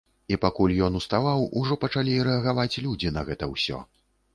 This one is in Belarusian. І пакуль ён уставаў, ужо пачалі рэагаваць людзі на гэта ўсё.